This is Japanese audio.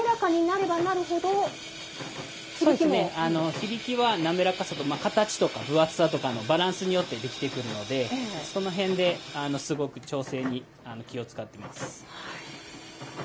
響きは滑らかさと形とか分厚さとかのバランスによって出来てくるのでその辺ですごく調整に気を遣ってます。